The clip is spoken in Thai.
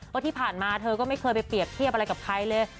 ว่าที่ผ่านมาเธอก็ไม่เคยไปเปรียบเทียบอะไรกับใครเลย